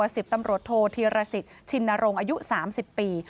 ประสิทธิ์ตำรวจโทษธิรสิทธิ์ชินโรงอายุ๓๐ปี